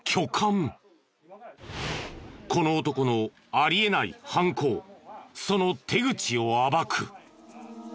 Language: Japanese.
この男のあり得ない犯行その手口を暴く。